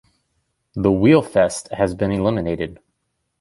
The "Wheelfest" has been eliminated.